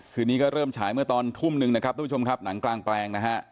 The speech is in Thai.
คืนนี้ก็เริ่มฉายเมื่อตอนทุ่มหนึ่งนะครับนางกลางแปลงนะฮะ